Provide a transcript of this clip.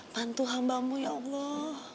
bantu hambamu ya allah